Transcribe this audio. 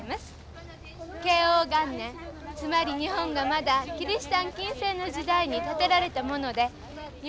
慶応元年つまり日本がまだキリシタン禁制の時代に建てられたもので。